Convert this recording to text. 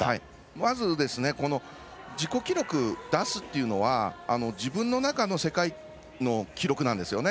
まず、この自己記録を出すっていうのは自分の中の世界の記録なんですよね。